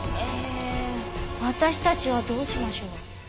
えー私たちはどうしましょう？